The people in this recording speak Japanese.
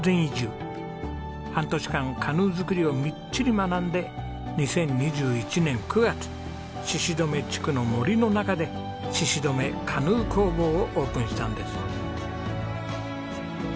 半年間カヌー作りをみっちり学んで２０２１年９月鹿留地区の森の中で鹿留カヌー工房をオープンしたんです。